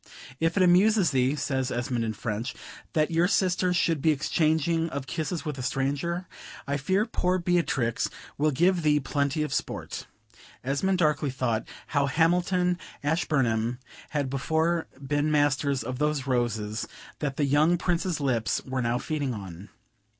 "If it amuses thee," says Esmond in French, "that your sister should be exchanging of kisses with a stranger, I fear poor Beatrix will give thee plenty of sport." Esmond darkly thought, how Hamilton, Ashburnham, had before been masters of those roses that the young Prince's lips were now feeding on.